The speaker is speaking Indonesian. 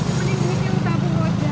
cuma nih jenisnya lo tabung wajah